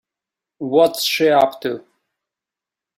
What's she up to?